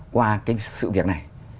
qua cái sự việc này